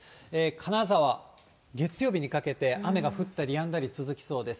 金沢、月曜日にかけて雨が降ったりやんだり続きそうです。